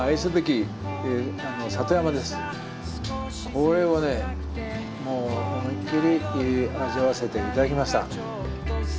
これをね思いっきり味わわせて頂きました。